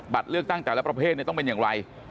เลือกตั้งแต่ละประเภทต้องเป็นอย่างไร